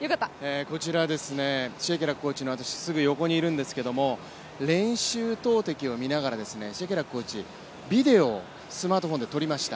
こちら、シェケラックコーチのすぐ横にいるんですけども練習投てきを見ながら、シェケラックコーチ、ビデオをスマートフォンで撮りました。